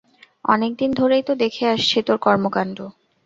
অনেক দিন ধরেই তো দেখে আসছি তোর কর্মকাণ্ড।